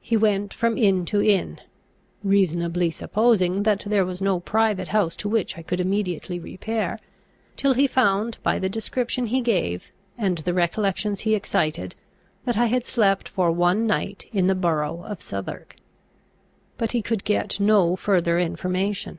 He went from inn to inn (reasonably supposing that there was no private house to which I could immediately repair), till he found, by the description he gave, and the recollections he excited, that I had slept for one night in the borough of Southwark. But he could get no further information.